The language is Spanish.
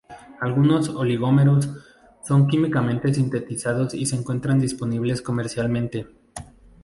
Algunos oligómeros son químicamente sintetizados y se encuentran disponibles comercialmente.